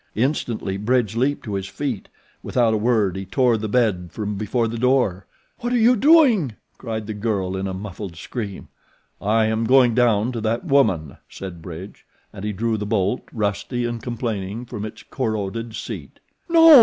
Instantly Bridge leaped to his feet. Without a word he tore the bed from before the door. "What are you doing?" cried the girl in a muffled scream. "I am going down to that woman," said Bridge, and he drew the bolt, rusty and complaining, from its corroded seat. "No!"